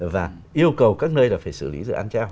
và yêu cầu các nơi là phải xử lý dự án treo